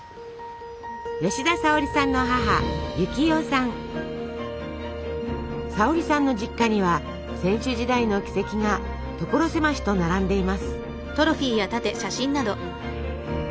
吉田沙保里さんの母沙保里さんの実家には選手時代の軌跡が所狭しと並んでいます。